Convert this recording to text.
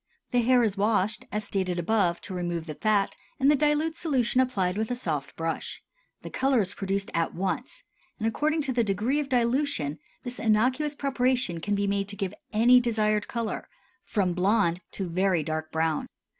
The hair is washed, as stated above, to remove the fat, and the dilute solution applied with a soft brush; the color is produced at once and according to the degree of dilution this innocuous preparation can be made to give any desired color from blond to very dark brown.